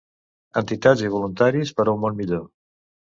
Entitats i voluntaris per a un món millor.